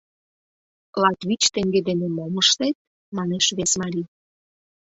Латвич теҥге дене мом ыштет? — манеш вес марий.